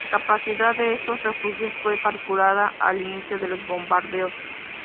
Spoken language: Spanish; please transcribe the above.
La capacidad de estos refugios fue calculada al inicio de los bombardeos.